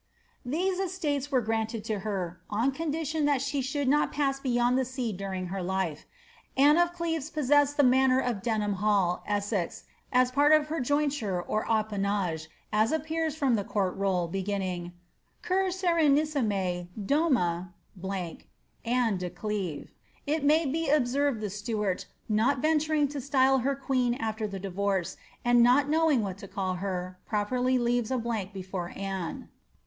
These estates were granted to her, on condition that she should not pass beyond the sea during her life. Anne of Cleves possessed the manor of Denham Hall, Essex, as part of her jointure or appanage, as appears from the Court Roll, beginning ^' Cur' Serenissime Dna Aone de Cleve ;'' it may be observed the steward, not venturing to style her queen aAer the divorce, and not knowing wliat to call her, properly leives a blank before Anne.